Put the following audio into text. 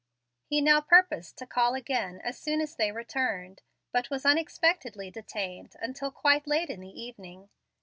He now purposed to call again as soon as they returned, but was unexpectedly detained until quite late in the evening.